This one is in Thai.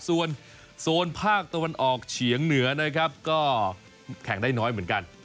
ส่วนโซนภาคตะวันออกเฉียงเหนือนะครับก็แข่งได้น้อยเหมือนกัน